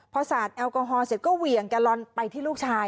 พอสาดแอลกอฮอลเสร็จก็เหวี่ยงแกลลอนไปที่ลูกชาย